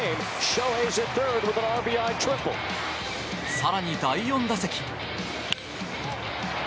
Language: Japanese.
更に第４打席。